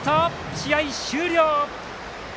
試合終了！